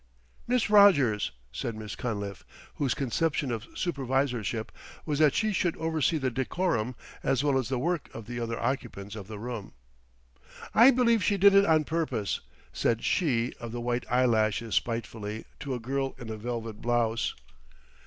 "Miss Rogers!" said Miss Cunliffe, whose conception of supervisorship was that she should oversee the decorum as well as the work of the other occupants of the room. "I believe she did it on purpose," said she of the white eyelashes spitefully to a girl in a velvet blouse.